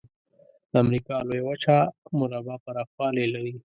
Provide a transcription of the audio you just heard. د امریکا لویه وچه مربع پرخوالي لري.